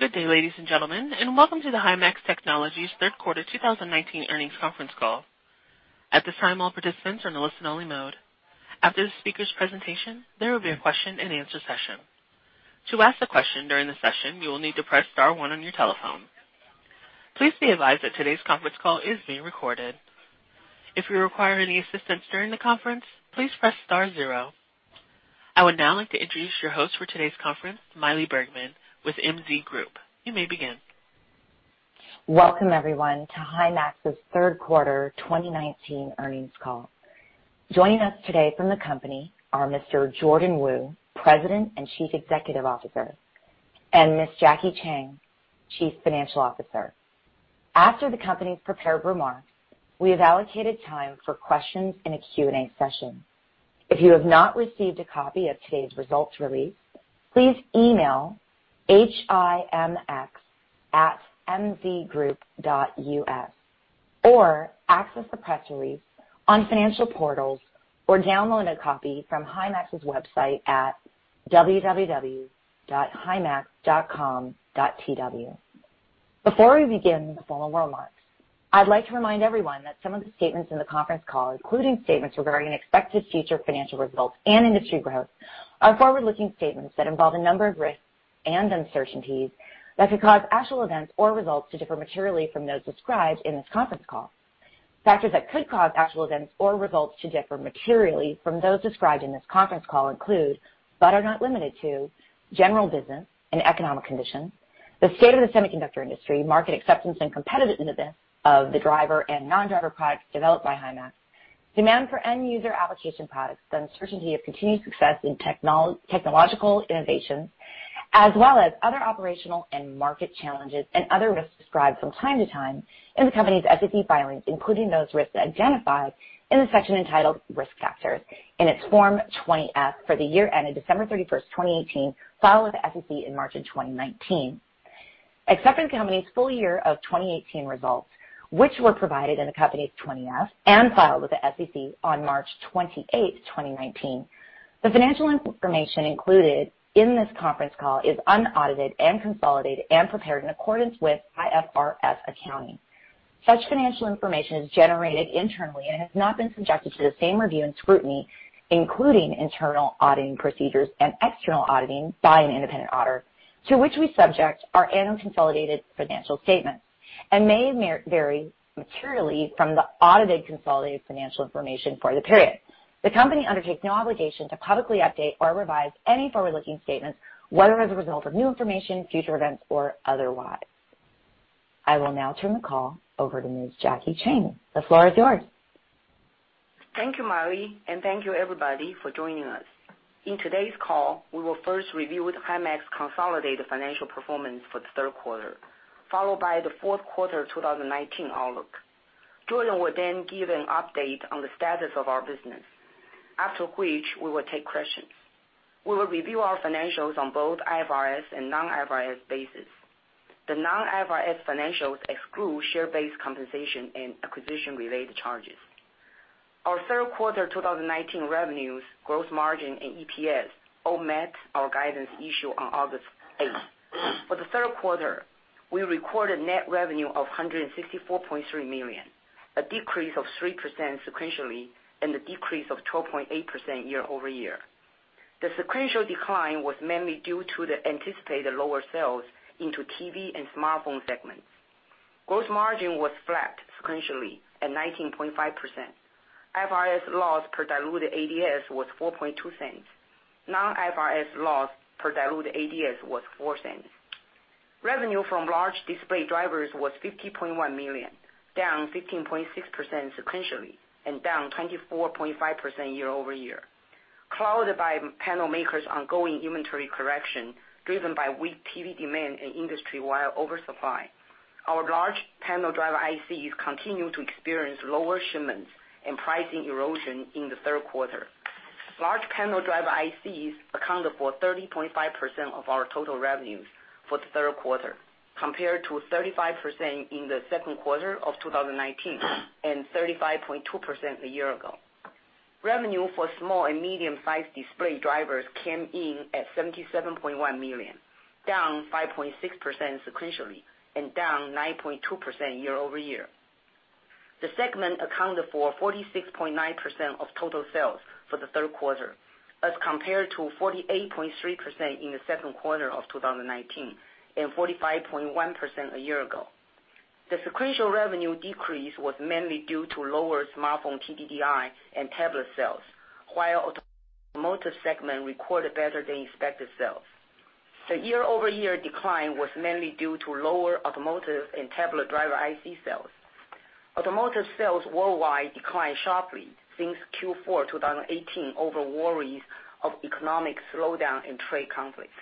Good day, ladies and gentlemen, and welcome to the Himax Technologies third quarter 2019 earnings conference call. At this time, all participants are in listen only mode. After the speaker's presentation, there will be a question and answer session. To ask a question during the session, you will need to press star one on your telephone. Please be advised that today's conference call is being recorded. If you require any assistance during the conference, please press star zero. I would now like to introduce your host for today's conference, Maili Bergman with MZ Group. You may begin. Welcome everyone to Himax's third quarter 2019 earnings call. Joining us today from the company are Mr. Jordan Wu, President and Chief Executive Officer, and Miss Jackie Chang, Chief Financial Officer. After the company's prepared remarks, we have allocated time for questions in a Q&A session. If you have not received a copy of today's results release, please email himx@mzgroup.us or access the press release on financial portals, or download a copy from Himax's website at www.himax.com.tw. Before we begin the formal remarks, I'd like to remind everyone that some of the statements in the conference call, including statements regarding expected future financial results and industry growth, are forward-looking statements that involve a number of risks and uncertainties that could cause actual events or results to differ materially from those described in this conference call. Factors that could cause actual events or results to differ materially from those described in this conference call include, but are not limited to, general business and economic conditions, the state of the semiconductor industry, market acceptance and competitive intensity of the driver and non-driver products developed by Himax, demand for end user application products, the uncertainty of continued success in technological innovations, as well as other operational and market challenges and other risks described from time to time in the company's SEC filings, including those risks identified in the section entitled Risk Factors in its Form 20-F for the year ended December 31st, 2018, filed with the SEC in March of 2019. Except for the company's full year of 2018 results, which were provided in the company's 20-F and filed with the SEC on March 28th, 2019, the financial information included in this conference call is unaudited and consolidated and prepared in accordance with IFRS accounting. Such financial information is generated internally and has not been subjected to the same review and scrutiny, including internal auditing procedures and external auditing by an independent auditor to which we subject our annual consolidated financial statements and may vary materially from the audited consolidated financial information for the period. The company undertakes no obligation to publicly update or revise any forward-looking statements, whether as a result of new information, future events, or otherwise. I will now turn the call over to Miss Jackie Chang. The floor is yours. Thank you, Maili, and thank you everybody for joining us. In today's call, we will first review Himax consolidated financial performance for the third quarter, followed by the fourth quarter 2019 outlook. Jordan will give an update on the status of our business, after which we will take questions. We will review our financials on both IFRS and non-IFRS basis. The non-IFRS financials exclude share-based compensation and acquisition-related charges. Our third quarter 2019 revenues, gross margin, and EPS all met our guidance issued on August 8th. For the third quarter, we recorded net revenue of $164.3 million, a decrease of 3% sequentially and a decrease of 12.8% year-over-year. The sequential decline was mainly due to the anticipated lower sales into TV and smartphone segments. Gross margin was flat sequentially at 19.5%. IFRS loss per diluted ADS was $4.20. Non-IFRS loss per diluted ADS was $0.04. Revenue from large display drivers was $50.1 million, down 15.6% sequentially and down 24.5% year-over-year. Clouded by panel makers' ongoing inventory correction driven by weak TV demand and industry-wide oversupply, our large panel driver ICs continued to experience lower shipments and pricing erosion in the third quarter. Large panel driver ICs accounted for 30.5% of our total revenues for the third quarter, compared to 35% in the second quarter of 2019 and 35.2% a year ago. Revenue for small and medium-sized display drivers came in at $77.1 million, down 5.6% sequentially and down 9.2% year-over-year. The segment accounted for 46.9% of total sales for the third quarter as compared to 48.3% in the second quarter of 2019 and 45.1% a year ago. The sequential revenue decrease was mainly due to lower smartphone TDDI and tablet sales, while automotive segment recorded better than expected sales. The year-over-year decline was mainly due to lower automotive and tablet driver IC sales. Automotive sales worldwide declined sharply since Q4 2018 over worries of economic slowdown and trade conflicts.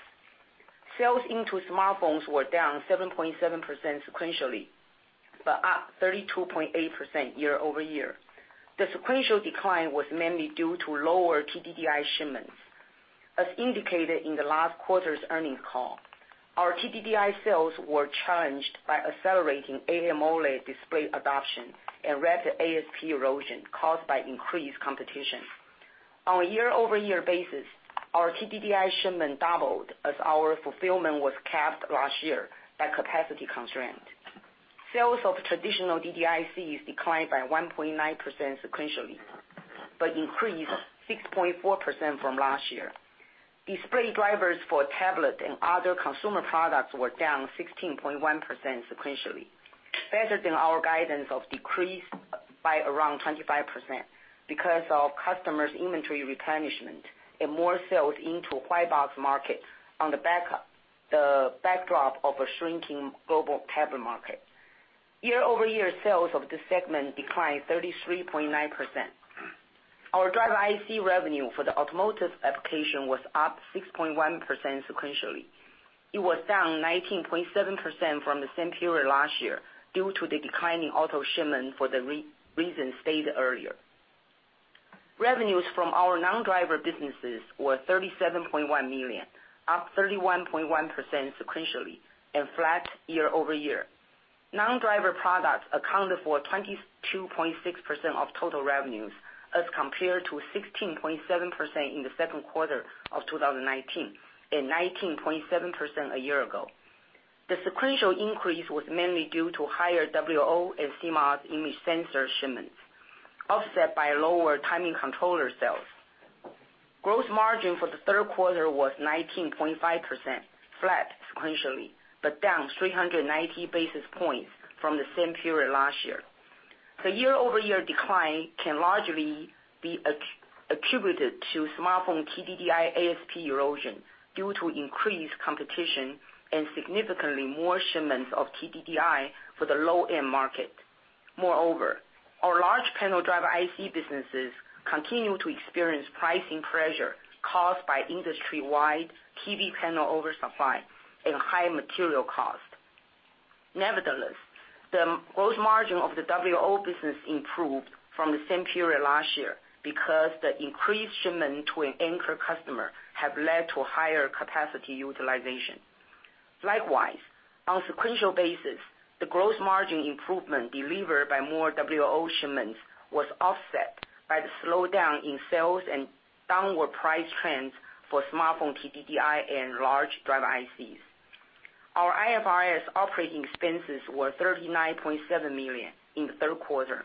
Sales into smartphones were down 7.7% sequentially, but up 32.8% year-over-year. The sequential decline was mainly due to lower TDDI shipments. As indicated in the last quarter's earnings call, our TDDI sales were challenged by accelerating AMOLED display adoption and rapid ASP erosion caused by increased competition. On a year-over-year basis, our TDDI shipment doubled as our fulfillment was capped last year by capacity constraint. Sales of traditional DDIC declined by 1.9% sequentially, but increased 6.4% from last year. Display drivers for tablet and other consumer products were down 16.1% sequentially, better than our guidance of decrease by around 25% because of customers' inventory replenishment and more sales into white box market on the backdrop of a shrinking global tablet market. Year-over-year sales of this segment declined 33.9%. Our driver IC revenue for the automotive application was up 6.1% sequentially. It was down 19.7% from the same period last year due to the declining auto shipment for the reason stated earlier. Revenues from our non-driver businesses were $37.1 million, up 31.1% sequentially and flat year-over-year. Non-driver products accounted for 22.6% of total revenues as compared to 16.7% in the second quarter of 2019, and 19.7% a year ago. The sequential increase was mainly due to higher WLO and CMOS image sensor shipments, offset by lower timing controller sales. Gross margin for the third quarter was 19.5%, flat sequentially, but down 390 basis points from the same period last year. The year-over-year decline can largely be attributed to smartphone TDDI ASP erosion due to increased competition and significantly more shipments of TDDI for the low-end market. Our large panel driver IC businesses continue to experience pricing pressure caused by industry-wide TV panel oversupply and high material cost. The gross margin of the WLO business improved from the same period last year because the increased shipment to an anchor customer have led to higher capacity utilization. On sequential basis, the gross margin improvement delivered by more WLO shipments was offset by the slowdown in sales and downward price trends for smartphone TDDI and large driver ICs. Our IFRS operating expenses were $39.7 million in the third quarter,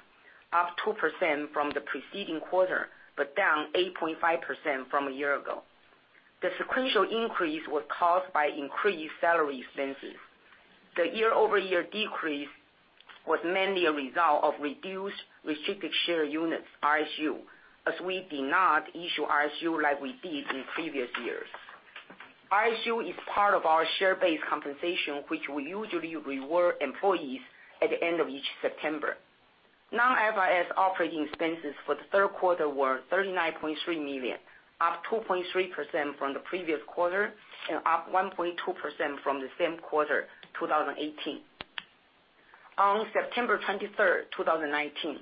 up 2% from the preceding quarter, but down 8.5% from a year ago. The sequential increase was caused by increased salary expenses. The year-over-year decrease was mainly a result of reduced restricted share units, RSU, as we did not issue RSU like we did in previous years. RSU is part of our share-based compensation, which we usually reward employees at the end of each September. Non-IFRS operating expenses for the third quarter were $39.3 million, up 2.3% from the previous quarter and up 1.2% from the same quarter 2018. On September 23rd, 2019,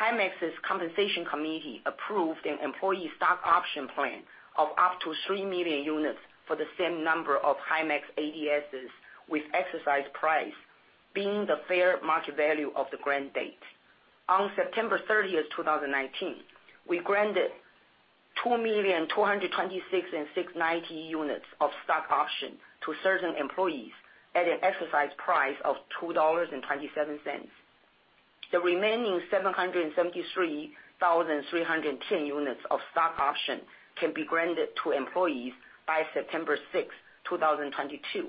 Himax's compensation committee approved an employee stock option plan of up to 3 million units for the same number of Himax ADSs with exercise price being the fair market value of the grant date. On September 30th, 2019, we granted 2,226,690 units of stock option to certain employees at an exercise price of $2.27. The remaining 773,310 units of stock option can be granted to employees by September 6th, 2022,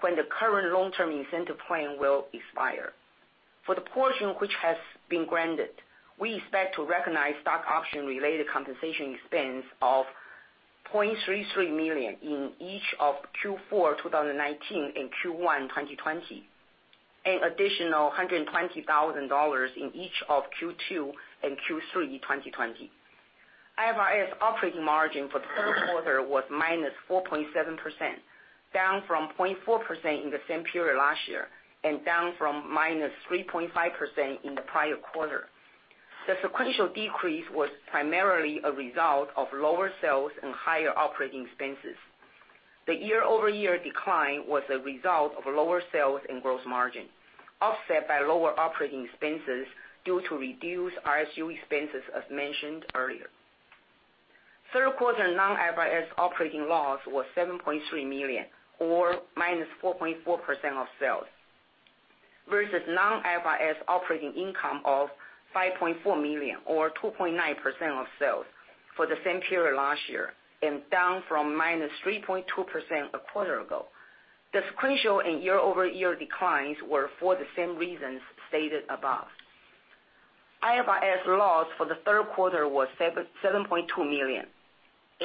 when the current long-term incentive plan will expire. For the portion which has been granted, we expect to recognize stock option related compensation expense of $0.33 million in each of Q4 2019 and Q1 2020, an additional $120,000 in each of Q2 and Q3 2020. IFRS operating margin for the third quarter was -4.7%, down from 0.4% in the same period last year, and down from -3.5% in the prior quarter. The sequential decrease was primarily a result of lower sales and higher operating expenses. The year-over-year decline was a result of lower sales and gross margin, offset by lower operating expenses due to reduced RSU expenses as mentioned earlier. Third quarter non-IFRS operating loss was $7.3 million or -4.4% of sales, versus non-IFRS operating income of $5.4 million or 2.9% of sales for the same period last year, and down from -3.2% a quarter ago. The sequential and year-over-year declines were for the same reasons stated above. IFRS loss for the third quarter was $7.2 million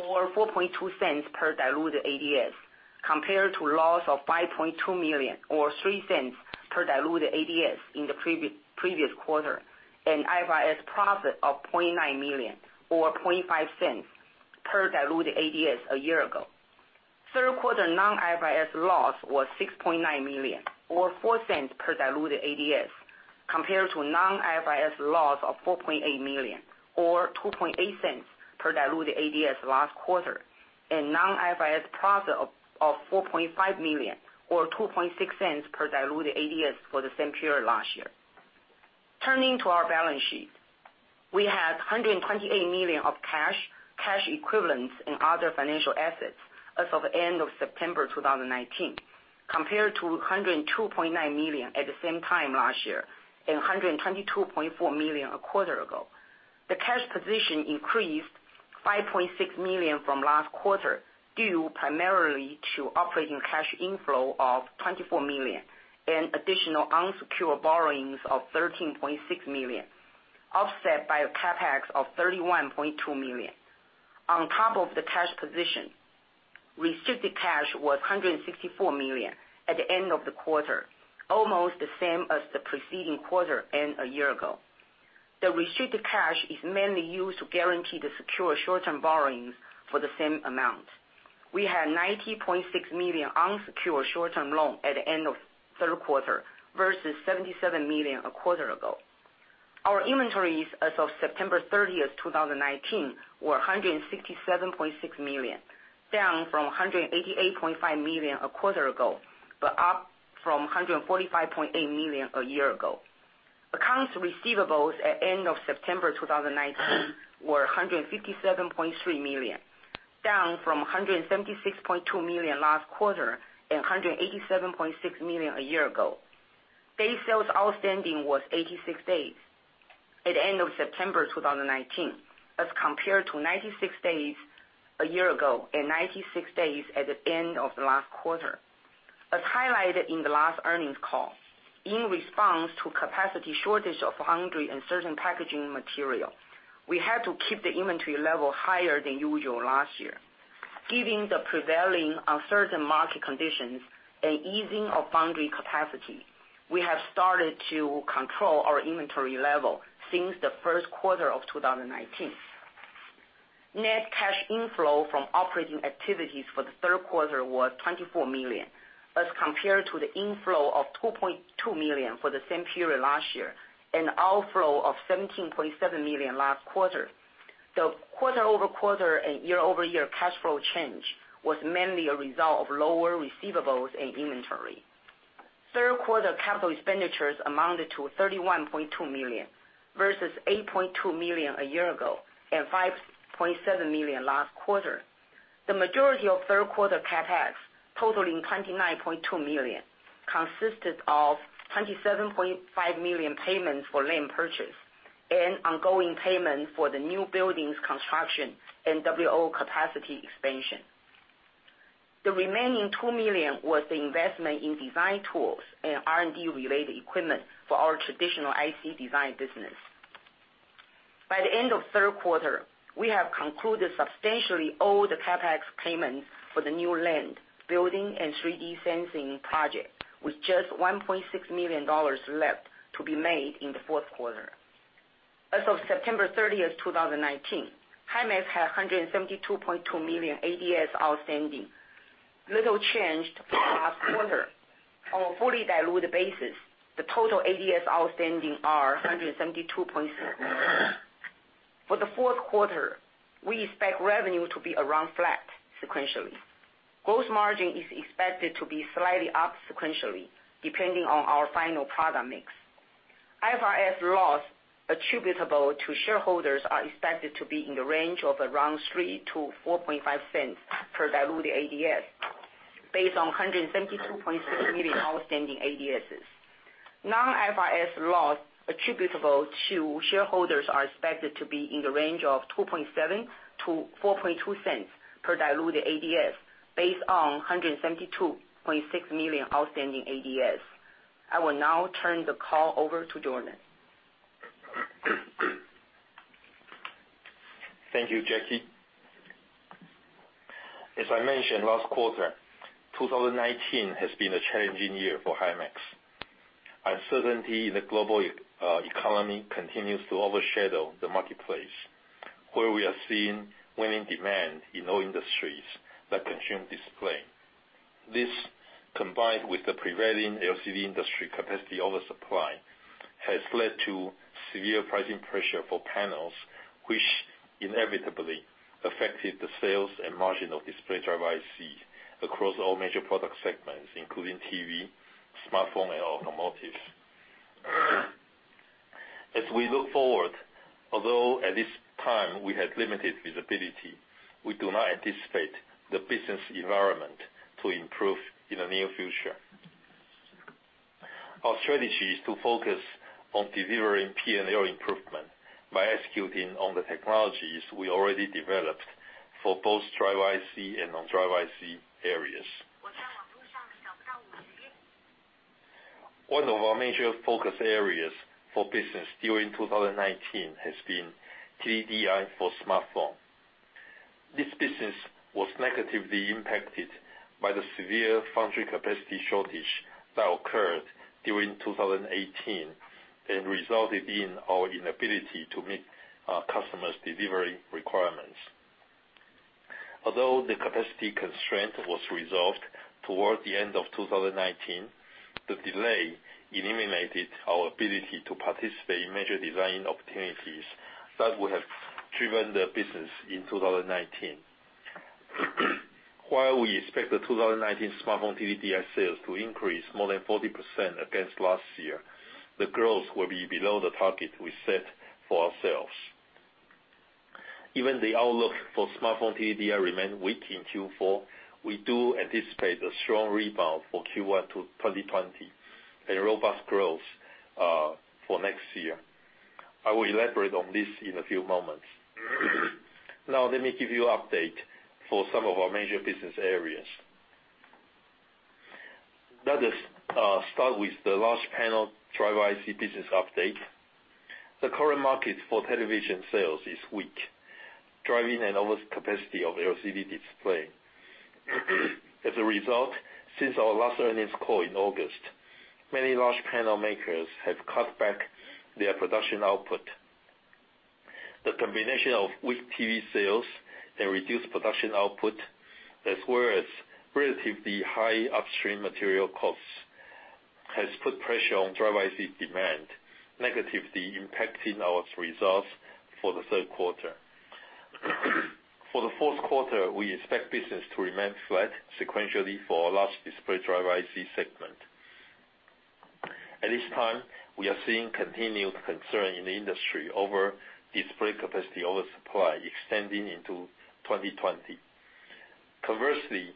or $0.042 per diluted ADS, compared to loss of $5.2 million or $0.03 per diluted ADS in the previous quarter, and IFRS profit of $0.9 million or $0.005 per diluted ADS a year ago. Third quarter non-IFRS loss was $6.9 million or $0.04 per diluted ADS, compared to non-IFRS loss of $4.8 million or $0.028 per diluted ADS last quarter, and non-IFRS profit of $4.5 million or $0.026 per diluted ADS for the same period last year. Turning to our balance sheet. We had $128 million of cash equivalents, and other financial assets as of end of September 2019, compared to $102.9 million at the same time last year and $122.4 million a quarter ago. The cash position increased $5.6 million from last quarter due primarily to operating cash inflow of $24 million and additional unsecured borrowings of $13.6 million, offset by a CapEx of $31.2 million. On top of the cash position, restricted cash was $164 million at the end of the quarter, almost the same as the preceding quarter and a year ago. The restricted cash is mainly used to guarantee the secure short-term borrowings for the same amount. We had $90.6 million unsecured short-term loan at the end of the third quarter versus $77 million a quarter ago. Our inventories as of September 30th, 2019, were $167.6 million, down from $188.5 million a quarter ago, but up from $145.8 million a year ago. Accounts receivables at end of September 2019 were $157.3 million, down from $176.2 million last quarter and $187.6 million a year ago. Day sales outstanding was 86 days at the end of September 2019 as compared to 96 days a year ago and 96 days at the end of last quarter. As highlighted in the last earnings call, in response to capacity shortage of foundry and certain packaging material, we had to keep the inventory level higher than usual last year. Given the prevailing uncertain market conditions and easing of foundry capacity, we have started to control our inventory level since the first quarter of 2019. Net cash inflow from operating activities for the third quarter was $24 million as compared to the inflow of $2.2 million for the same period last year and outflow of $17.7 million last quarter. The quarter-over-quarter and year-over-year cash flow change was mainly a result of lower receivables and inventory. Third quarter capital expenditures amounted to $31.2 million versus $8.2 million a year ago and $5.7 million last quarter. The majority of third quarter CapEx, totaling $29.2 million, consisted of $27.5 million payments for land purchase and ongoing payment for the new buildings construction and WLO capacity expansion. The remaining $2 million was the investment in design tools and R&D related equipment for our traditional IC design business. By the end of the third quarter, we have concluded substantially all the CapEx payments for the new land, building, and 3D sensing project, with just $1.6 million left to be made in the fourth quarter. As of September 30th, 2019, Himax had $172.2 million ADS outstanding, little changed last quarter. On a fully diluted basis, the total ADS outstanding are $172.6 million. For the fourth quarter, we expect revenue to be around flat sequentially. Gross margin is expected to be slightly up sequentially, depending on our final product mix. IFRS loss attributable to shareholders are expected to be in the range of around $0.03-$0.045 per diluted ADS based on $172.6 million outstanding ADSs. Non-IFRS loss attributable to shareholders are expected to be in the range of $0.027-$0.042 per diluted ADS based on $172.6 million outstanding ADSs. I will now turn the call over to Jordan. Thank you, Jackie. As I mentioned last quarter, 2019 has been a challenging year for Himax. Uncertainty in the global economy continues to overshadow the marketplace, where we are seeing waning demand in all industries that consume display. This, combined with the prevailing LCD industry capacity oversupply, has led to severe pricing pressure for panels, which inevitably affected the sales and margin of display driver IC across all major product segments, including TV, smartphone, and automotive. As we look forward, although at this time we have limited visibility, we do not anticipate the business environment to improve in the near future. Our strategy is to focus on delivering P&L improvement by executing on the technologies we already developed for both driver IC and non-driver IC areas. One of our major focus areas for business during 2019 has been TDDI for smartphone. This business was negatively impacted by the severe foundry capacity shortage that occurred during 2018 and resulted in our inability to meet our customers' delivery requirements. Although the capacity constraint was resolved toward the end of 2019, the delay eliminated our ability to participate in major design opportunities that would have driven the business in 2019. While we expect the 2019 smartphone TDDI sales to increase more than 40% against last year, the growth will be below the target we set for ourselves. Even the outlook for smartphone TDDI remain weak in Q4, we do anticipate a strong rebound for Q1 to 2020, and robust growth for next year. I will elaborate on this in a few moments. Now let me give you update for some of our major business areas. Let us start with the large panel driver IC business update. The current market for television sales is weak, driving an overcapacity of LCD display. As a result, since our last earnings call in August, many large panel makers have cut back their production output. The combination of weak TV sales and reduced production output, as well as relatively high upstream material costs, has put pressure on driver IC demand, negatively impacting our results for the third quarter. For the fourth quarter, we expect business to remain flat sequentially for our large display driver IC segment. At this time, we are seeing continued concern in the industry over display capacity over supply extending into 2020. Conversely,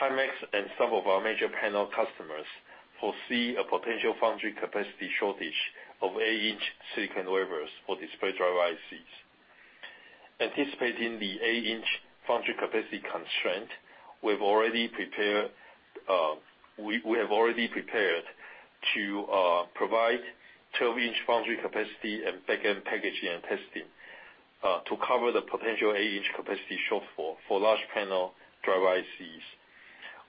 Himax and some of our major panel customers foresee a potential foundry capacity shortage of eight-inch silicon wafers for display driver ICs. Anticipating the eight-inch foundry capacity constraint, we have already prepared to provide 12-inch foundry capacity and back-end packaging and testing, to cover the potential eight-inch capacity shortfall for large panel driver ICs.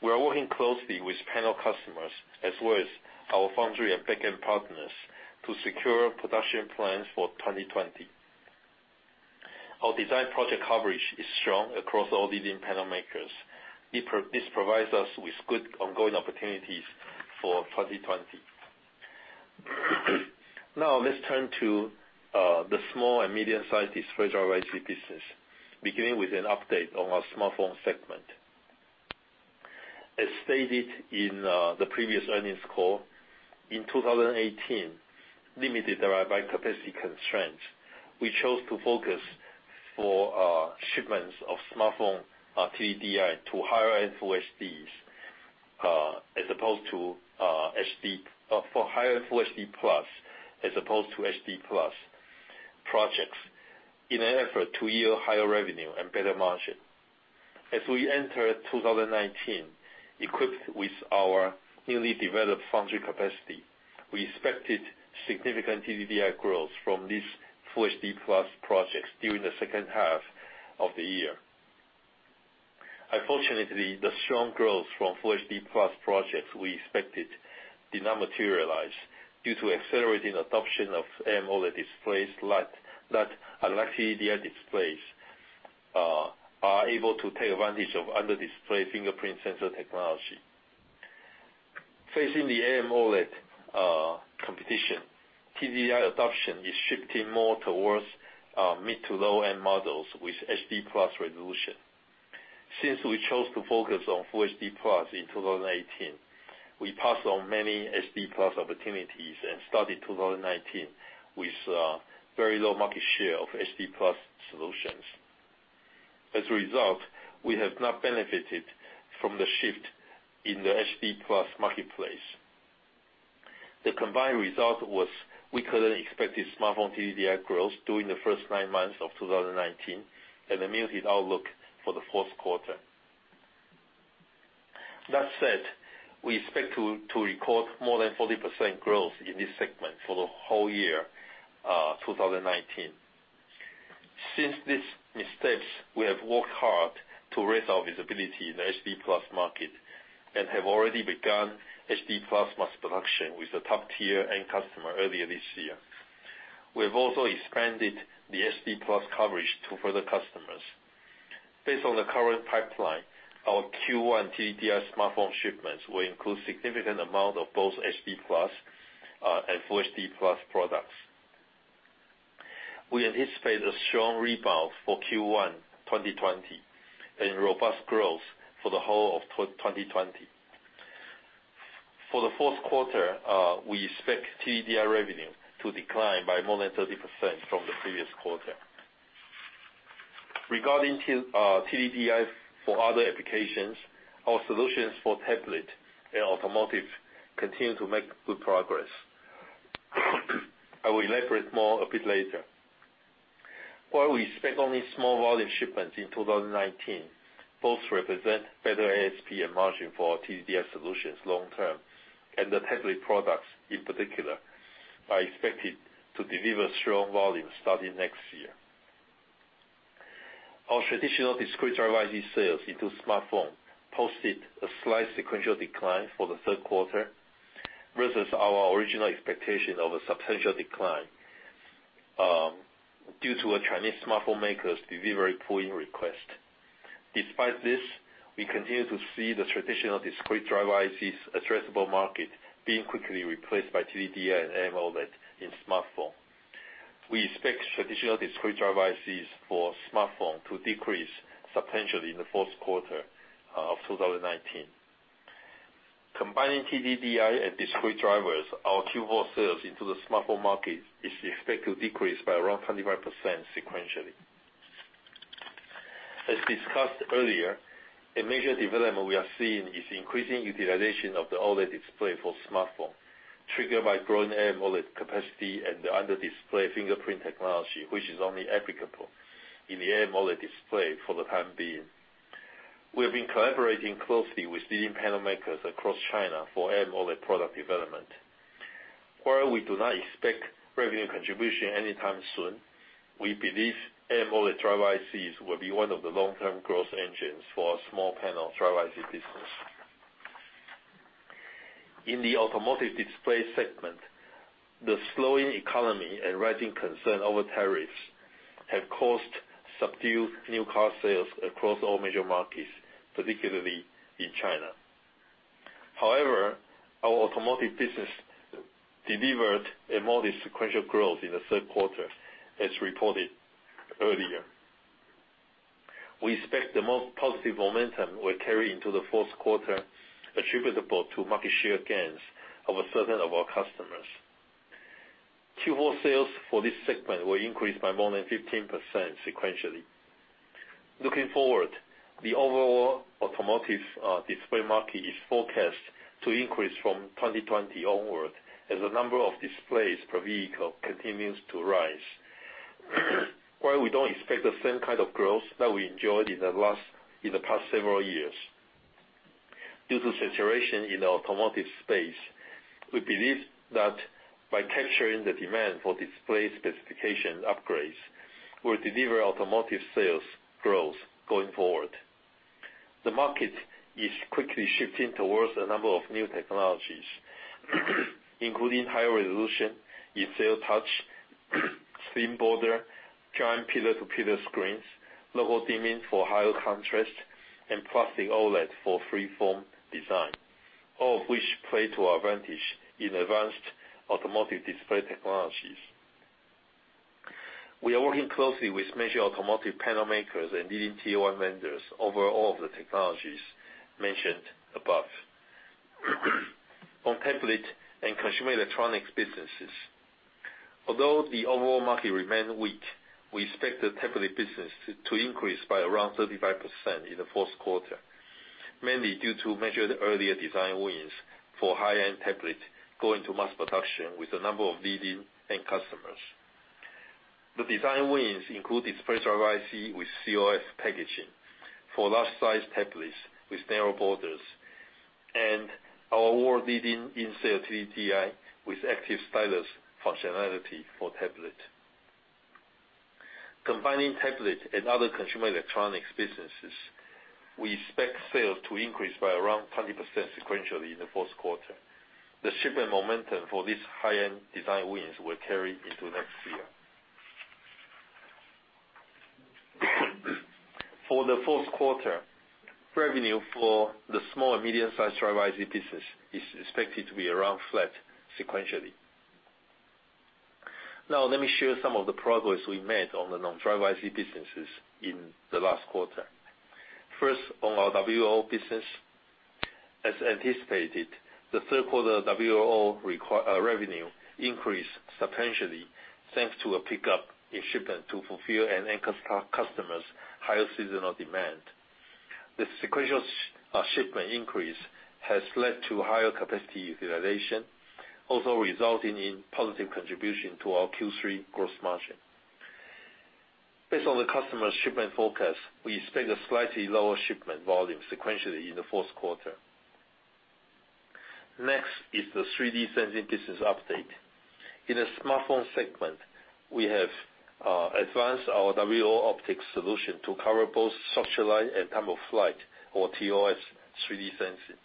We are working closely with panel customers as well as our foundry and back-end partners to secure production plans for 2020. Our design project coverage is strong across all leading panel makers. This provides us with good ongoing opportunities for 2020. Now let's turn to the small and medium-sized display driver IC business, beginning with an update on our smartphone segment. As stated in the previous earnings call, in 2018, limited by capacity constraints, we chose to focus for shipments of smartphone TDDI to higher-end Full HDs or higher Full HD+ as opposed to HD+ projects, in an effort to yield higher revenue and better margin. As we enter 2019, equipped with our newly developed foundry capacity, we expected significant TDDI growth from these Full HD+ projects during the second half of the year. Unfortunately, the strong growth from Full HD+ projects we expected did not materialize due to accelerating adoption of AMOLED displays that LCD displays are able to take advantage of under-display fingerprint sensor technology. Facing the AMOLED competition, TDDI adoption is shifting more towards mid to low-end models with HD+ resolution. Since we chose to focus on Full HD+ in 2018, we passed on many HD+ opportunities and started 2019 with very low market share of HD+ solutions. As a result, we have not benefited from the shift in the HD+ marketplace. The combined result was we couldn't expect smartphone TDDI growth during the first nine months of 2019 and a muted outlook for the fourth quarter. That said, we expect to record more than 40% growth in this segment for the whole year 2019. Since these missteps, we have worked hard to raise our visibility in the HD+ market and have already begun HD+ mass production with a top-tier end customer earlier this year. We have also expanded the HD+ coverage to further customers. Based on the current pipeline, our Q1 TDDI smartphone shipments will include significant amount of both HD+ and Full HD+ products. We anticipate a strong rebound for Q1 2020 and robust growth for the whole of 2020. For the fourth quarter, we expect TDDI revenue to decline by more than 30% from the previous quarter. Regarding TDDI for other applications, our solutions for tablet and automotive continue to make good progress. I will elaborate more a bit later. While we expect only small volume shipments in 2019, both represent better ASP and margin for our TDDI solutions long term, and the tablet products, in particular, are expected to deliver strong volume starting next year. Our traditional discrete driver IC sales into smartphone posted a slight sequential decline for the third quarter, versus our original expectation of a substantial decline due to a Chinese smartphone maker's delivery pull-in request. Despite this, we continue to see the traditional discrete driver IC's addressable market being quickly replaced by TDDI and AMOLED in smartphone. We expect traditional discrete driver ICs for smartphone to decrease substantially in the fourth quarter of 2019. Combining TDDI and discrete drivers, our Q4 sales into the smartphone market is expected to decrease by around 25% sequentially. As discussed earlier, a major development we are seeing is increasing utilization of the OLED display for smartphone, triggered by growing AMOLED capacity and the under-display fingerprint technology, which is only applicable in the AMOLED display for the time being. We have been collaborating closely with leading panel makers across China for AMOLED product development. While we do not expect revenue contribution anytime soon, we believe AMOLED driver ICs will be one of the long-term growth engines for our small panel driver IC business. In the automotive display segment, the slowing economy and rising concern over tariffs have caused subdued new car sales across all major markets, particularly in China. However, our automotive business delivered a modest sequential growth in the third quarter, as reported earlier. We expect the most positive momentum will carry into the fourth quarter, attributable to market share gains of certain of our customers. Q4 sales for this segment will increase by more than 15% sequentially. Looking forward, the overall automotive display market is forecast to increase from 2020 onward as the number of displays per vehicle continues to rise. While we don't expect the same kind of growth that we enjoyed in the past several years. Due to saturation in the automotive space, we believe that by capturing the demand for display specification upgrades, we'll deliver automotive sales growth going forward. The market is quickly shifting towards a number of new technologies, including higher resolution, in-cell touch, thin border, giant pillar-to-pillar screens, local dimming for higher contrast, and plastic OLED for free-form design, all of which play to our advantage in advanced automotive display technologies. We are working closely with major automotive panel makers and leading Tier 1 vendors over all of the technologies mentioned above. On tablet and consumer electronics businesses, although the overall market remained weak, we expect the tablet business to increase by around 35% in the fourth quarter, mainly due to major earlier design wins for high-end tablet going to mass production with a number of leading-end customers. The design wins include display driver IC with COF packaging for large-sized tablets with narrow borders and our world-leading in-cell TDDI with active stylus functionality for tablet. Combining tablet and other consumer electronics businesses, we expect sales to increase by around 20% sequentially in the fourth quarter. The shipment momentum for these high-end design wins will carry into next year. For the fourth quarter, revenue for the small and medium-sized driver IC business is expected to be around flat sequentially. Now, let me share some of the progress we made on the non-driver IC businesses in the last quarter. First, on our WLO business. As anticipated, the third quarter WLO revenue increased substantially thanks to a pickup in shipment to fulfill an anchor customer's higher seasonal demand. The sequential shipment increase has led to higher capacity utilization, also resulting in positive contribution to our Q3 gross margin. Based on the customer's shipment forecast, we expect a slightly lower shipment volume sequentially in the fourth quarter. Next is the 3D sensing business update. In the smartphone segment, we have advanced our WLO optic solution to cover both structured light and time of flight, or TOF, 3D sensing.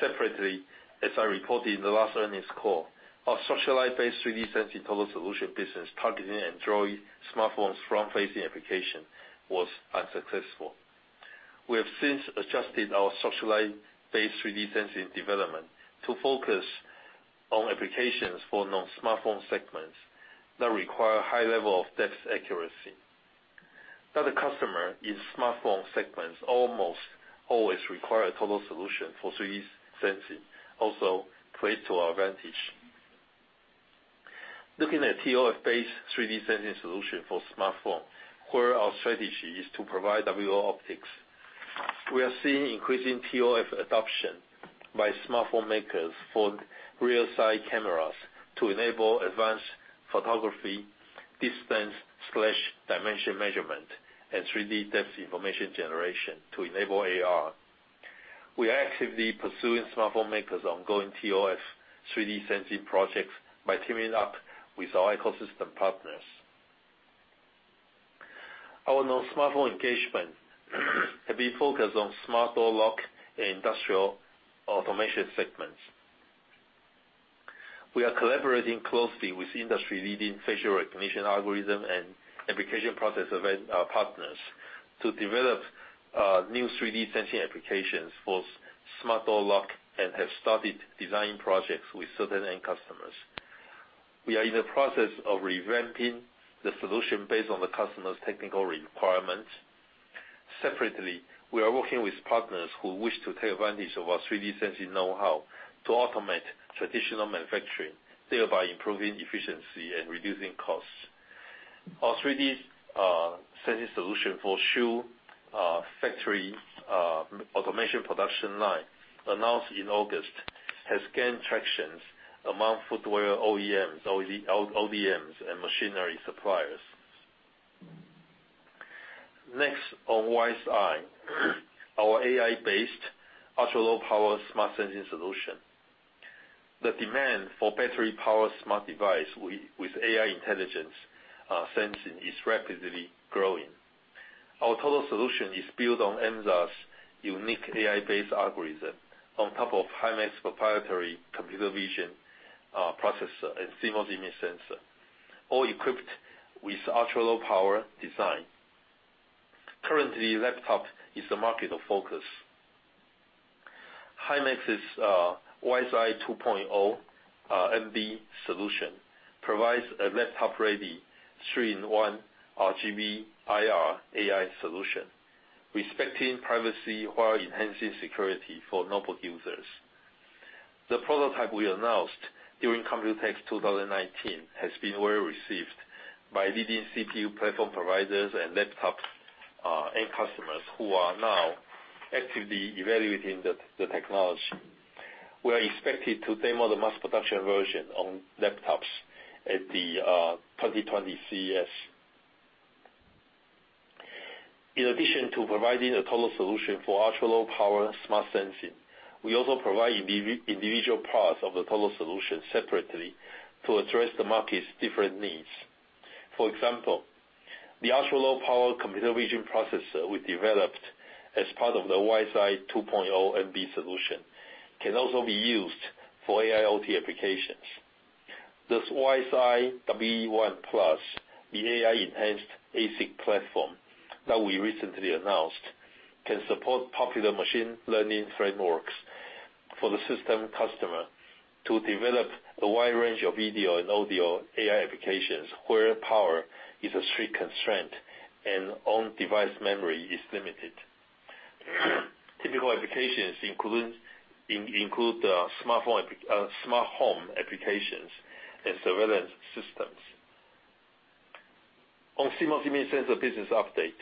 Separately, as I reported in the last earnings call, our structured light-based 3D sensing total solution business targeting Android smartphone's front-facing application was unsuccessful. We have since adjusted our structured light-based 3D sensing development to focus on applications for non-smartphone segments that require high level of depth accuracy. That a customer in smartphone segments almost always require a total solution for 3D sensing also played to our advantage. Looking at TOF-based 3D sensing solution for smartphone, where our strategy is to provide WLO optics. We are seeing increasing TOF adoption by smartphone makers for rear-side cameras to enable advanced photography, distance/dimension measurement, and 3D depth information generation to enable AR. We are actively pursuing smartphone makers' ongoing TOF 3D sensing projects by teaming up with our ecosystem partners. Our non-smartphone engagement have been focused on smart door lock and industrial automation segments. We are collaborating closely with industry-leading facial recognition algorithm and application process event partners to develop new 3D sensing applications for Smart door lock and have started design projects with certain end customers. We are in the process of revamping the solution based on the customer's technical requirements. Separately, we are working with partners who wish to take advantage of our 3D sensing knowhow to automate traditional manufacturing, thereby improving efficiency and reducing costs. Our 3D sensing solution for shoe factory automation production line, announced in August, has gained traction among footwear OEMs, ODMs, and machinery suppliers. Next, on WiseEye, our AI-based, ultra-low power smart sensing solution. The demand for battery power smart device with AI intelligence sensing is rapidly growing. Our total solution is built on Emza's unique AI-based algorithm, on top of Himax's proprietary computer vision processor and CMOS image sensor, all equipped with ultra-low power design. Currently, laptop is the market of focus. Himax's WiseEye 2.0 MV solution provides a laptop-ready 3-in-1 RGB/IR AI solution, respecting privacy while enhancing security for notebook users. The prototype we announced during COMPUTEX 2019 has been well received by leading CPU platform providers and laptop end customers who are now actively evaluating the technology. We are expected to demo the mass production version on laptops at the 2020 CES. In addition to providing a total solution for ultra-low power smart sensing, we also provide individual parts of the total solution separately to address the market's different needs. For example, the ultra-low power computer vision processor we developed as part of the WiseEye 2.0 MV solution can also be used for AIoT applications. This WiseEye WE-I Plus, the AI-enhanced ASIC platform that we recently announced, can support popular machine learning frameworks for the system customer to develop a wide range of video and audio AI applications, where power is a strict constraint and on-device memory is limited. Typical applications include smart home applications and surveillance systems. CMOS image sensor business update.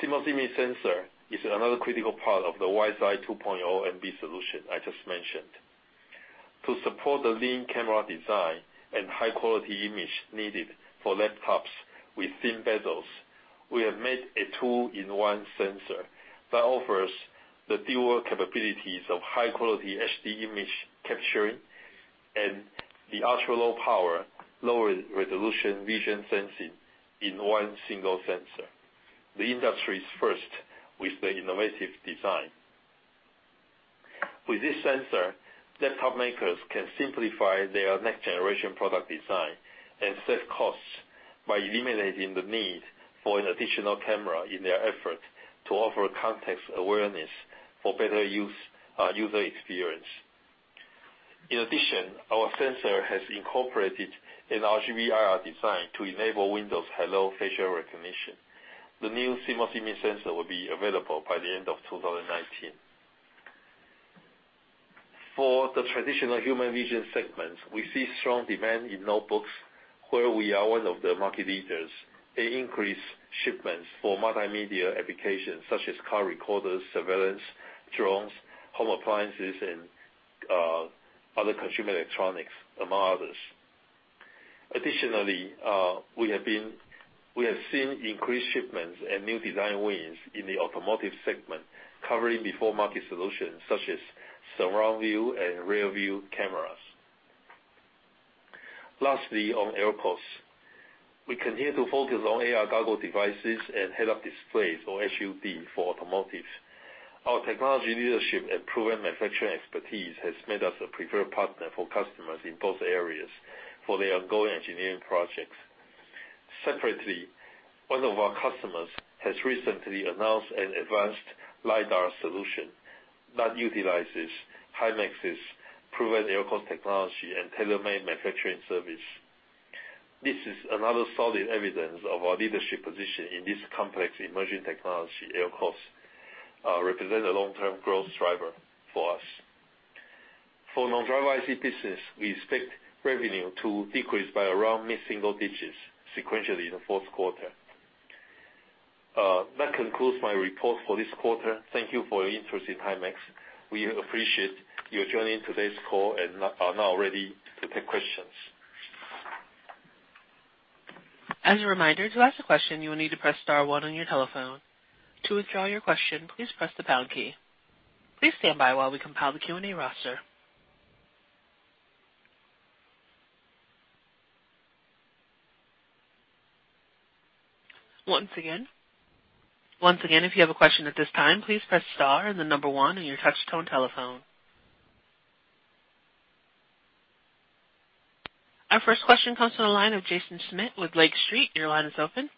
CMOS image sensor is another critical part of the WiseEye 2.0 MV solution I just mentioned. To support the lean camera design and high quality image needed for laptops with thin bezels, we have made a two-in-one sensor that offers the dual capabilities of high quality HD image capturing and the ultra-low power, lower resolution vision sensing in one single sensor. The industry's first with the innovative design. With this sensor, desktop makers can simplify their next generation product design and save costs by eliminating the need for an additional camera in their effort to offer context awareness for better user experience. In addition, our sensor has incorporated an RGB/IR design to enable Windows Hello facial recognition. The new CMOS image sensor will be available by the end of 2019. For the traditional human vision segment, we see strong demand in notebooks where we are one of the market leaders, and increased shipments for multimedia applications such as car recorders, surveillance, drones, home appliances, and other consumer electronics, among others. Additionally, we have seen increased shipments and new design wins in the automotive segment, covering before-market solutions such as surround view and rear view cameras. Lastly, on LCoS. We continue to focus on AR goggle devices and head-up displays or HUD for automotives. Our technology leadership and proven manufacturing expertise has made us a preferred partner for customers in both areas for their ongoing engineering projects. Separately, one of our customers has recently announced an advanced LiDAR solution that utilizes Himax's proven LCoS technology and tailor-made manufacturing service. This is another solid evidence of our leadership position in this complex emerging technology. LCoS represent a long-term growth driver for us. For non-driver IC business, we expect revenue to decrease by around mid-single digits sequentially in the fourth quarter. That concludes my report for this quarter. Thank you for your interest in Himax. We appreciate you joining today's call and are now ready to take questions. As a reminder, to ask a question, you will need to press star one on your telephone. To withdraw your question, please press the pound key. Please stand by while we compile the Q&A roster. Once again, if you have a question at this time, please press star and the number one on your touch-tone telephone. Our first question comes on the line of Jaeson Schmidt with Lake Street. Your line is open.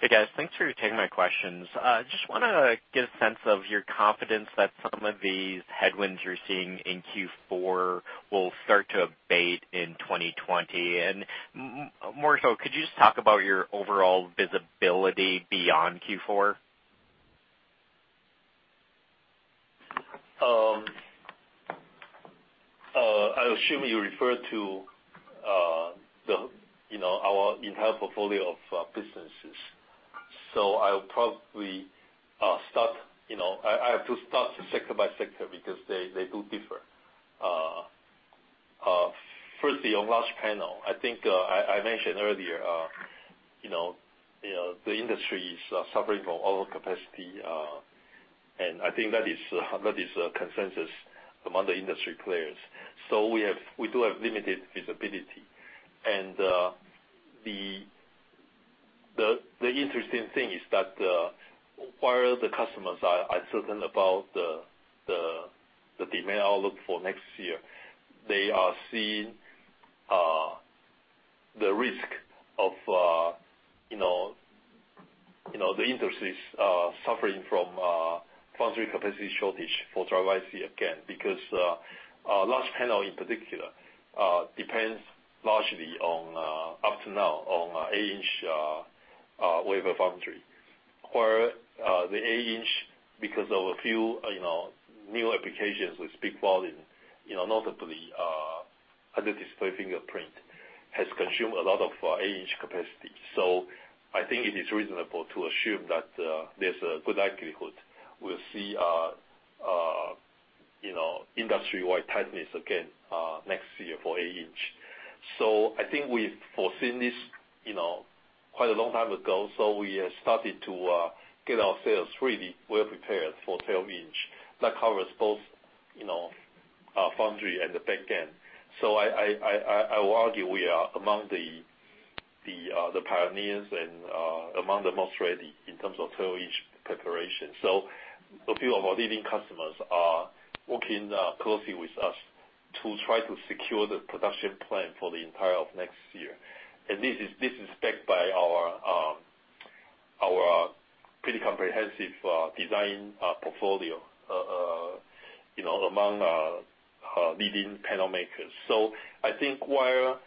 Hey, guys. Thanks for taking my questions. Just want to get a sense of your confidence that some of these headwinds you're seeing in Q4 will start to abate in 2020. More so, could you just talk about your overall visibility beyond Q4? I assume you refer to our entire portfolio of businesses. I have to start sector by sector because they do differ. Firstly, on large panel, I think I mentioned earlier the industry is suffering from over capacity. I think that is a consensus among the industry players. We do have limited visibility. The interesting thing is that while the customers are certain about the demand outlook for next year, they are seeing the risk of the industries suffering from foundry capacity shortage for driver IC again, because large panel in particular depends largely, up to now, on eight-inch wafer foundry, where the eight inch, because of a few new applications with big volume, notably under-display fingerprint, has consumed a lot of eight-inch capacity. I think it is reasonable to assume that there's a good likelihood we'll see industry-wide tightness again next year for eight inch. I think we've foreseen this quite a long time ago. We have started to get ourselves really well-prepared for 12-inch. That covers both foundry and the back end. I will argue we are among the pioneers and among the most ready in terms of 12-inch preparation. A few of our leading customers are working closely with us to try to secure the production plan for the entire of next year. This is backed by our pretty comprehensive design portfolio among leading panel makers. I think while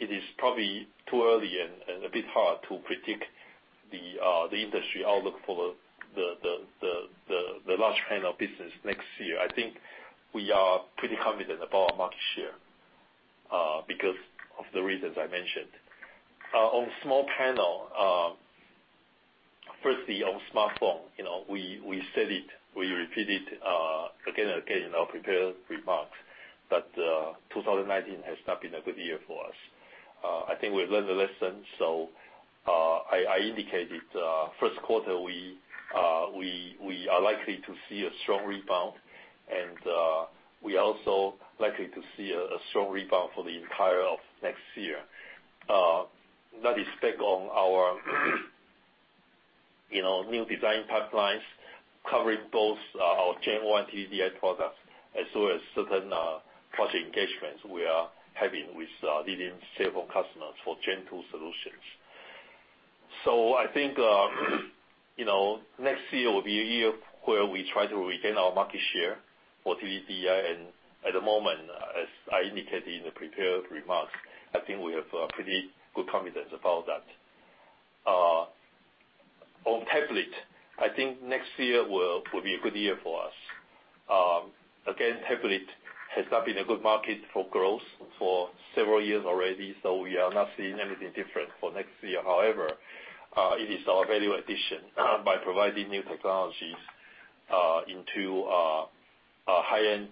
it is probably too early and a bit hard to predict the industry outlook for the large panel business next year, I think we are pretty confident about our market share because of the reasons I mentioned. On small panel, firstly, on smartphone, we said it, we repeat it again and again in our prepared remarks, that 2019 has not been a good year for us. I think we've learned the lesson. I indicated, first quarter, we are likely to see a strong rebound. We are also likely to see a strong rebound for the entire of next year. That is backed on our new design pipelines covering both our Gen-1 TDDI products as well as certain project engagements we are having with leading several customers for Gen-2 solutions. I think, next year will be a year where we try to regain our market share for TDDI. At the moment, as I indicated in the prepared remarks, I think we have pretty good confidence about that. On tablet, I think next year will be a good year for us. Tablet has not been a good market for growth for several years already, so we are not seeing anything different for next year. It is our value addition by providing new technologies into high-end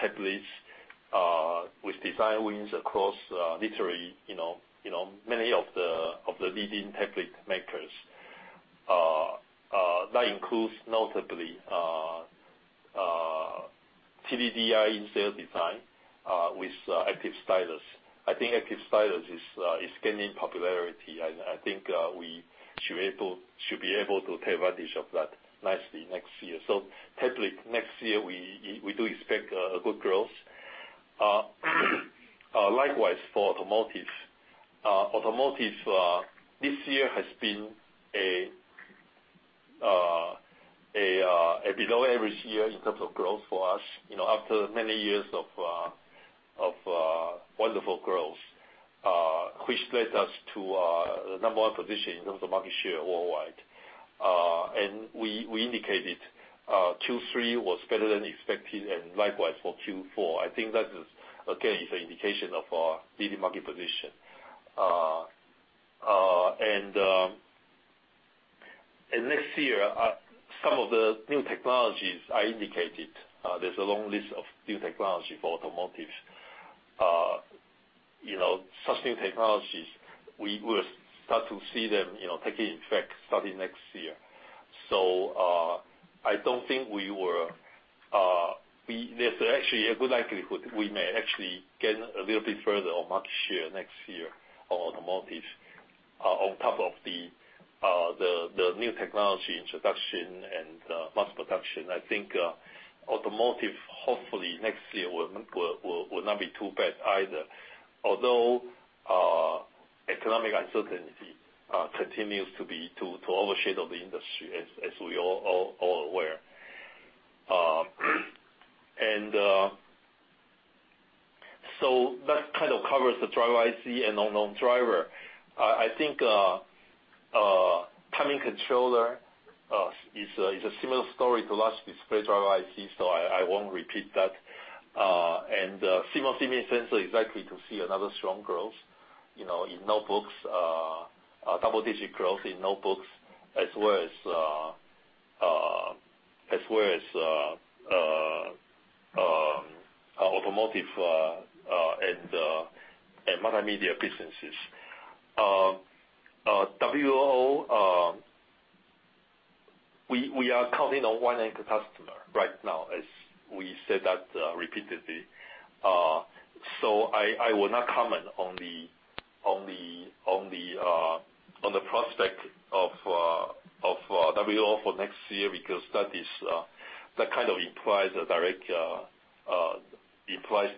tablets with design wins across literally many of the leading tablet makers. That includes notably TDDI in-cell design with active stylus. I think active stylus is gaining popularity, and I think we should be able to take advantage of that nicely next year. Tablet, next year, we do expect a good growth. Likewise for automotive. Automotive, this year has been a below average year in terms of growth for us, after many years of wonderful growth, which led us to a number one position in terms of market share worldwide. We indicated Q3 was better than expected and likewise for Q4. I think that, again, is an indication of our leading market position. Next year, some of the new technologies I indicated, there's a long list of new technology for automotives. Such new technologies, we will start to see them taking effect starting next year. There's actually a good likelihood we may actually gain a little bit further on market share next year on automotive. On top of the new technology introduction and mass production. I think automotive, hopefully next year, will not be too bad either. Economic uncertainty continues to overshadow the industry, as we are all aware. That kind of covers the driver IC and non-driver. I think timing controller is a similar story to large display driver IC, so I won't repeat that. CMOS image sensor is likely to see another strong growth, in notebooks, double-digit growth in notebooks, as well as automotive and multimedia businesses. WLO, we are counting on one anchor customer right now, as we said that repeatedly. I will not comment on the prospect of WLO for next year, because that kind of implies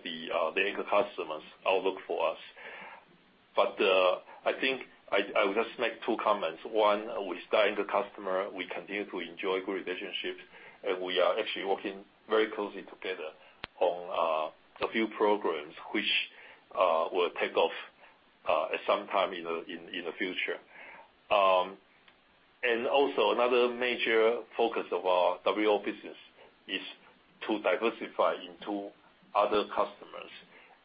the anchor customer's outlook for us. I think I will just make two comments. One, with that anchor customer, we continue to enjoy good relationships, and we are actually working very closely together on a few programs, which will take off at some time in the future. Another major focus of our WLO business is to diversify into other customers.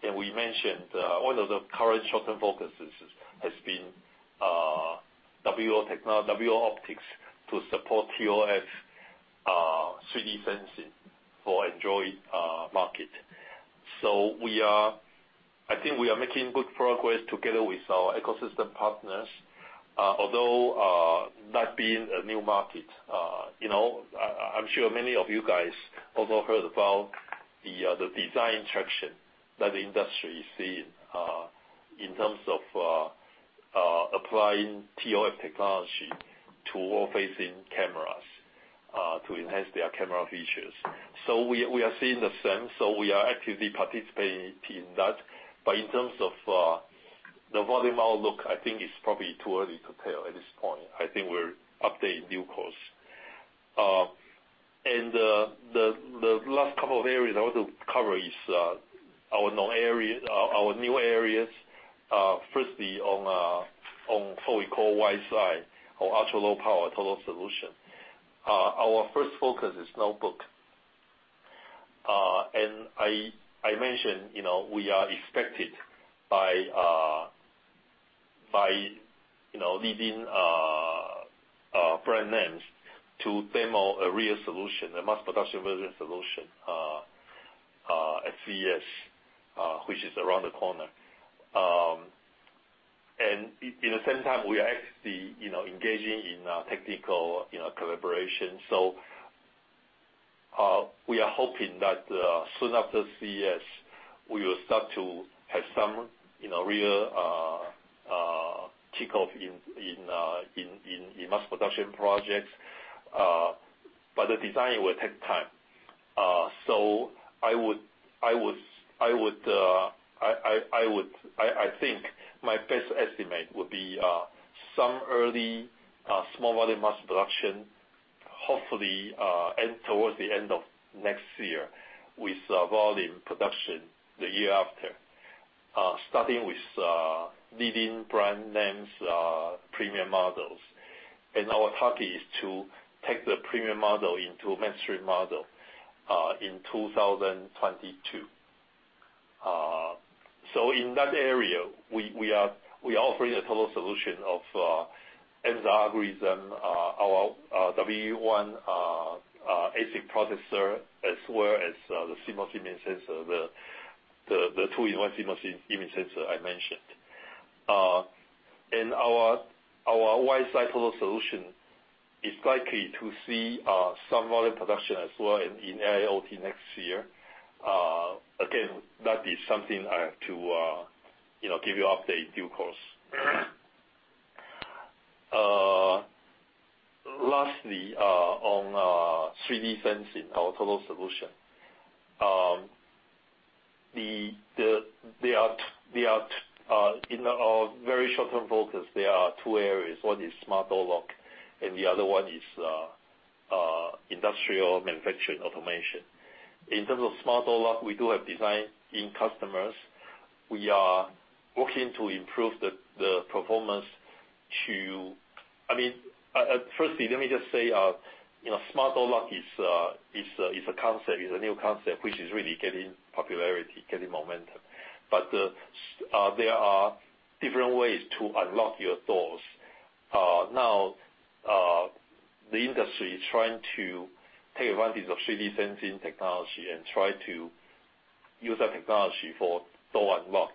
We mentioned, one of the current short-term focuses has been WLO optics to support ToF 3D sensing for Android market. I think we are making good progress together with our ecosystem partners, although, that being a new market. I am sure many of you guys also heard about the design traction that the industry is seeing, in terms of applying ToF technology to world-facing cameras, to enhance their camera features. We are seeing the sense, so we are actively participating in that. In terms of the volume outlook, I think it is probably too early to tell at this point. I think we are updating due course. The last couple of areas I want to cover is our new areas. Firstly, on what we call WiseEye, or ultra-low power total solution. Our first focus is notebook. I mentioned, we are expected by leading brand names to demo a real solution, a mass production version solution, at CES, which is around the corner. In the same time, we are actually engaging in technical collaboration. We are hoping that, soon after CES, we will start to have some real kickoff in mass production projects. The design will take time. I think my best estimate would be, some early small volume mass production, hopefully towards the end of next year, with volume production the year after. Starting with leading brand names premium models. Our target is to take the premium model into a mainstream model, in 2022. In that area, we are offering a total solution of Emza algorithm, our WE1 ASIC processor, as well as the CMOS image sensor, the two in one CMOS image sensor I mentioned. Our WiseEye total solution is likely to see some volume production as well in IoT next year. That is something I have to give you update due course. Lastly, on 3D sensing, our total solution. In our very short-term focus, there are two areas. One is smart door lock, and the other one is industrial manufacturing automation. In terms of smart door lock, we do have design in customers. We are working to improve the performance. I mean, firstly, let me just say, smart door lock is a new concept, which is really getting popularity, getting momentum. There are different ways to unlock your doors. Now, the industry is trying to take advantage of 3D sensing technology and try to use that technology for door unlock,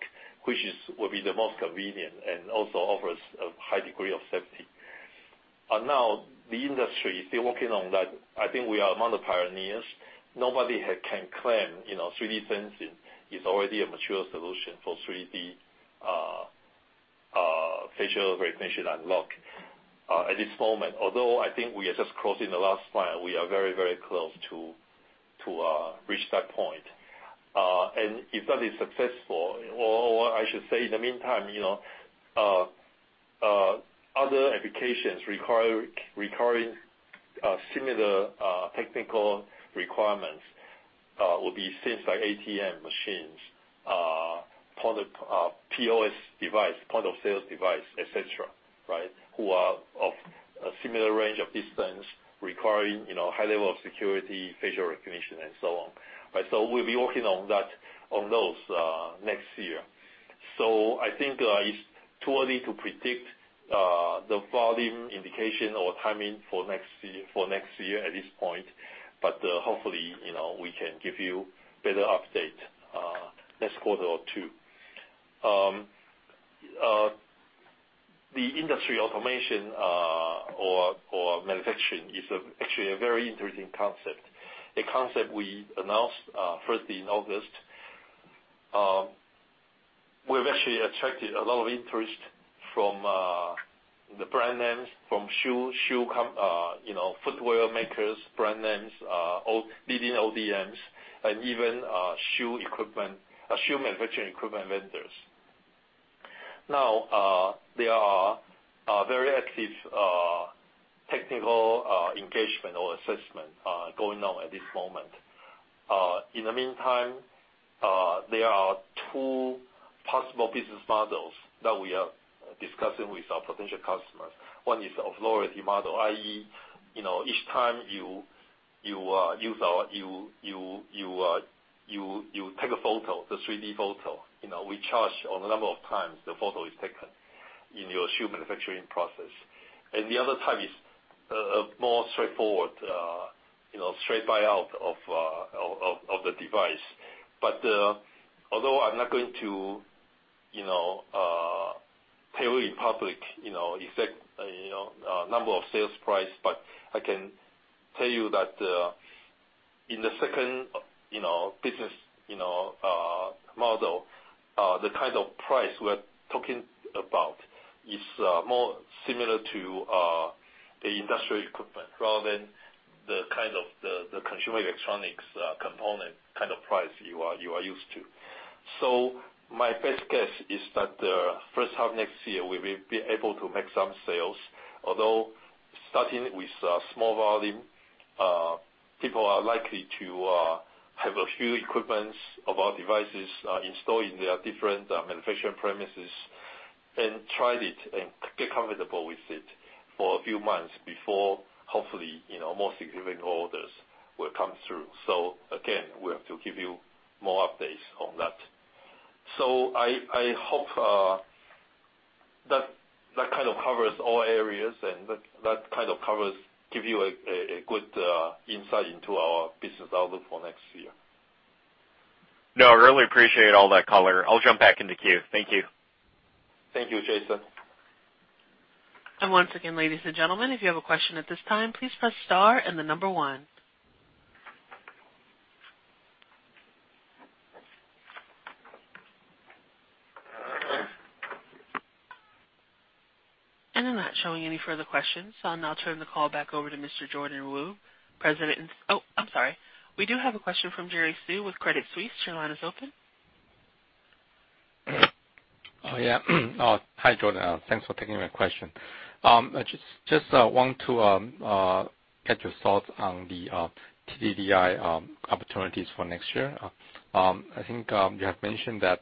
which will be the most convenient and also offers a high degree of safety. Now, the industry is still working on that. I think we are among the pioneers. Nobody can claim 3D sensing is already a mature solution for 3D facial recognition unlock at this moment. I think we are just crossing the last mile. We are very close to reach that point. If that is successful, or I should say, in the meantime, other applications requiring similar technical requirements will be things like ATM machines, POS device, point of sale device, et cetera, who are of a similar range of distance requiring high level of security, facial recognition, and so on. We'll be working on those next year. I think it's too early to predict the volume indication or timing for next year at this point. Hopefully, we can give you better update next quarter or two. The industry automation or manufacturing is actually a very interesting concept. A concept we announced first in August. We've actually attracted a lot of interest from the brand names, from footwear makers, brand names, leading ODMs, and even shoe manufacturing equipment vendors. Now, there are very active technical engagement or assessment going on at this moment. In the meantime, there are two possible business models that we are discussing with our potential customers. One is of loyalty model, i.e., each time you take a photo, the 3D photo, we charge on the number of times the photo is taken in your shoe manufacturing process. The other type is more straightforward, straight buy out of the device. Although I'm not going to tell you in public exact number of sales price, but I can tell you that in the second business model, the kind of price we're talking about is more similar to the industrial equipment rather than the consumer electronics component price you are used to. My best guess is that first half next year, we will be able to make some sales, although starting with small volume. People are likely to have a few equipment of our devices installed in their different manufacturing premises and tried it and get comfortable with it for a few months before hopefully, more significant orders will come through. Again, we have to give you more updates on that. I hope that covers all areas, and that gives you a good insight into our business outlook for next year. No, I really appreciate all that color. I'll jump back in the queue. Thank you. Thank you, Jaeson. Once again, ladies and gentlemen, if you have a question at this time, please press star and the number 1. I'm not showing any further questions, so I'll now turn the call back over to Mr. Jordan Wu, President and Oh, I'm sorry. We do have a question from Jerry Su with Credit Suisse. Your line is open. Yeah. Hi, Jordan. Thanks for taking my question. I just want to get your thoughts on the TDDI opportunities for next year. I think you have mentioned that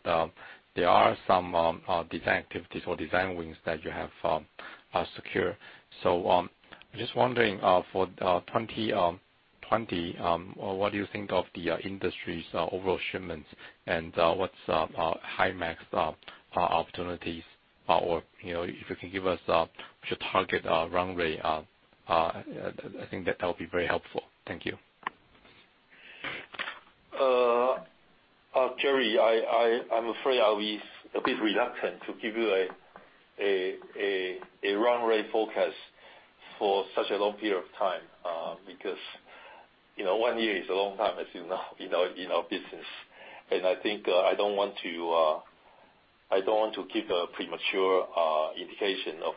there are some design activities or design wins that you have secured. I'm just wondering for 2020, what do you think of the industry's overall shipments and what's Himax opportunities? If you can give us your target run rate, I think that that'll be very helpful. Thank you. Jerry, I'm afraid I'll be a bit reluctant to give you a run rate forecast for such a long period of time, because one year is a long time as you know in our business. I think I don't want to give a premature indication of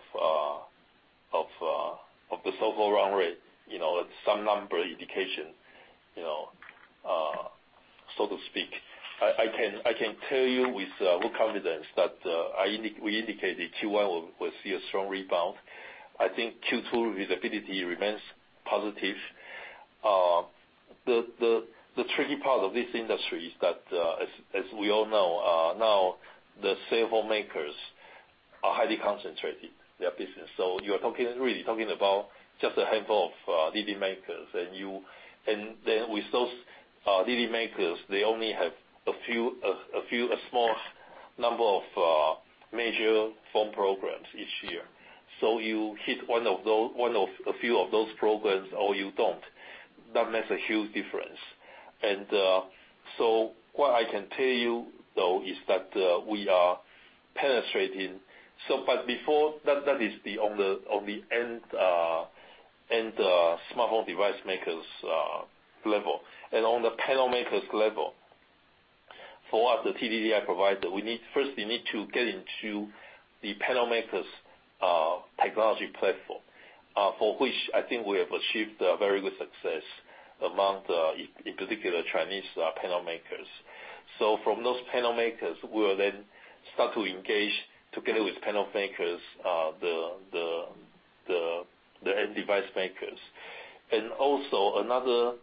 the so-called run rate, some number indication, so to speak. I can tell you with confidence that we indicated Q1 will see a strong rebound. I think Q2 visibility remains positive. The tricky part of this industry is that, as we all know now, the cellphone makers are highly concentrated their business. You are really talking about just a handful of DD makers. With those DD makers, they only have a small number of major phone programs each year. You hit one of a few of those programs, or you don't. That makes a huge difference. What I can tell you though, is that we are penetrating. Before that is on the end smartphone device makers level. On the panel makers level, for us, the TDDI provider, first we need to get into the panel makers' technology platform, for which I think we have achieved a very good success among, in particular, Chinese panel makers. From those panel makers, we will then start to engage together with panel makers, the end device makers. Also another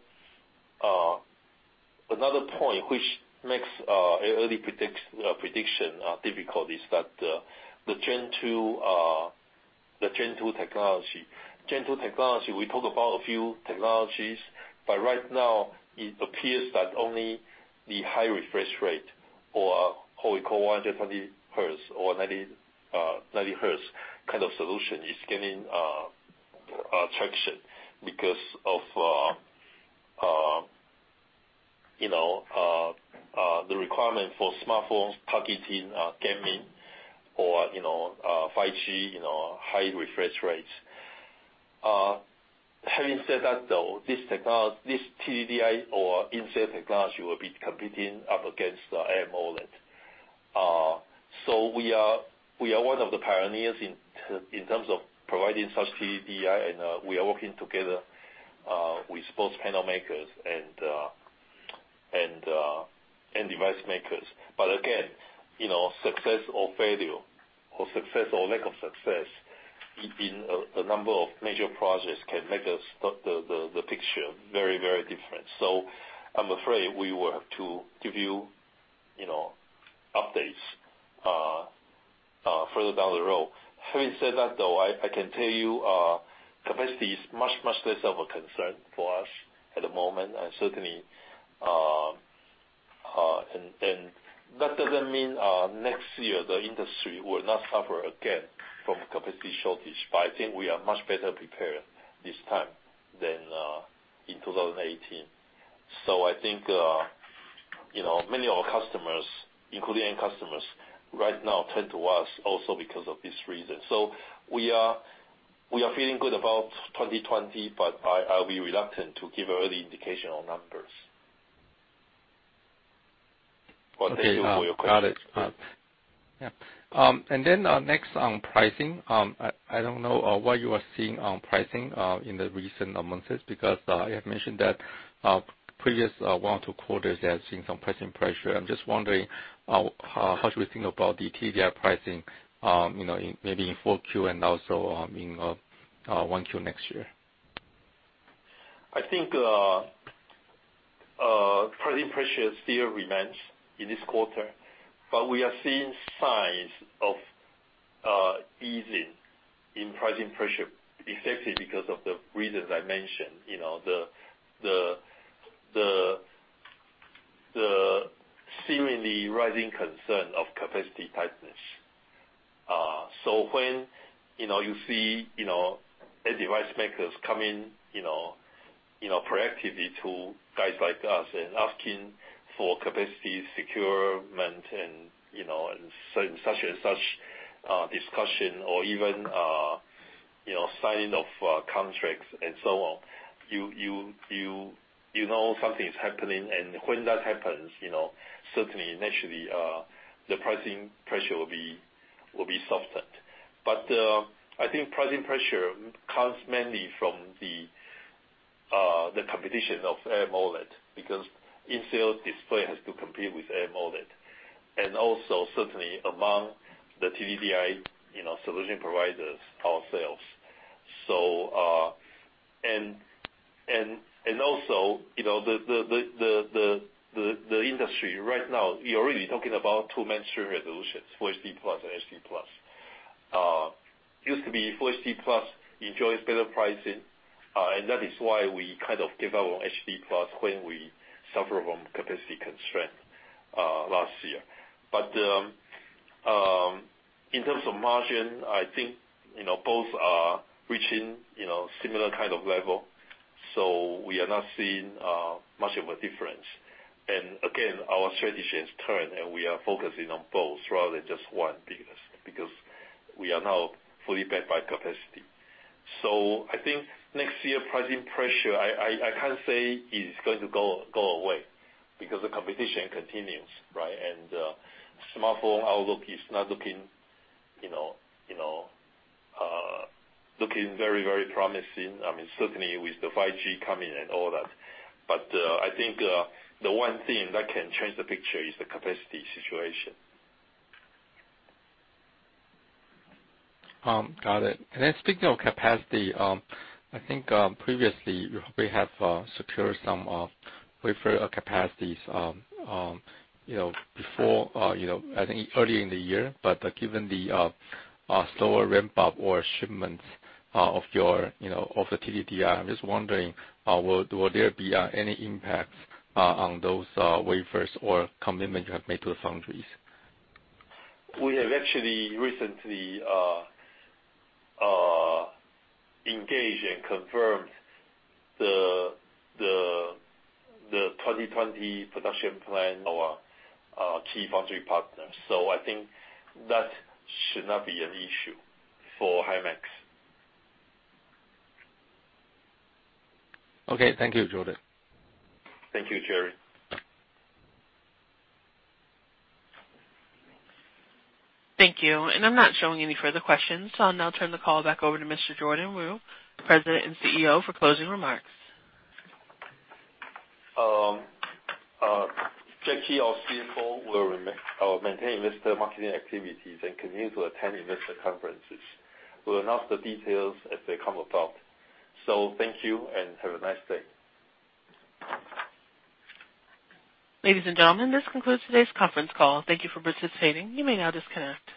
point which makes early prediction difficult is that the Gen-2 technology. Gen-2 technology, we talked about a few technologies, but right now it appears that only the high refresh rate, or what we call 120 Hz or 90 Hz kind of solution is gaining traction because of the requirement for smartphones targeting gaming or 5G, high refresh rates. This TDDI or in-cell technology will be competing up against AMOLED. We are one of the pioneers in terms of providing such TDDI, and we are working together with both panel makers and device makers. Again, success or failure, or success or lack of success in a number of major projects can make the picture very different. I'm afraid we will have to give you updates further down the road. I can tell you capacity is much less of a concern for us at the moment. Certainly, that doesn't mean next year the industry will not suffer again from capacity shortage. I think we are much better prepared this time than in 2018. I think many of our customers, including end customers, right now turn to us also because of this reason. We are feeling good about 2020, but I'll be reluctant to give early indication on numbers. Thank you for your question. Okay. Got it. Next on pricing. I don't know what you are seeing on pricing in the recent months, because I have mentioned that previous one or two quarters, they have seen some pricing pressure. I'm just wondering how should we think about the TDDI pricing maybe in four Q and also in one Q next year? I think pricing pressure still remains in this quarter, we are seeing signs of easing in pricing pressure, effectively because of the reasons I mentioned: the seemingly rising concern of capacity tightness. When you see end device makers coming proactively to guys like us and asking for capacity securement and such and such discussion or even signing of contracts and so on, you know something is happening. When that happens, certainly initially, the pricing pressure will be softened. I think pricing pressure comes mainly from the competition of AMOLED, because in-cell display has to compete with AMOLED, also certainly among the TDDI solution providers ourselves. Also, the industry right now, we are really talking about two mainstream resolutions, Full HD+ and HD+. Used to be Full HD+ enjoys better pricing, and that is why we kind of gave up on HD+ when we suffer from capacity constraint last year. In terms of margin, I think both are reaching similar kind of level. We are not seeing much of a difference. Again, our strategy has turned, and we are focusing on both rather than just one, because we are now fully backed by capacity. I think next year pricing pressure, I can't say it is going to go away because the competition continues, right? Smartphone outlook is not looking very promising. I mean, certainly with the 5G coming and all that. I think the one thing that can change the picture is the capacity situation. Got it. Speaking of capacity, I think previously we have secured some wafer capacities, I think earlier in the year. Given the slower ramp-up or shipments of the TDDI, I'm just wondering, will there be any impacts on those wafers or commitment you have made to the foundries? We have actually recently engaged and confirmed the 2020 production plan, our key foundry partners. I think that should not be an issue for Himax. Okay. Thank you, Jordan. Thank you, Jerry. Thank you. I'm not showing any further questions. I'll now turn the call back over to Mr. Jordan Wu, President and CEO, for closing remarks. Jackie, our CFO, will maintain investor marketing activities and continue to attend investor conferences. We'll announce the details as they come about. Thank you and have a nice day. Ladies and gentlemen, this concludes today's conference call. Thank you for participating. You may now disconnect.